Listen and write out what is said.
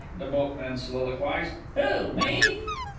the boatman soliloquized. "Who? Me?"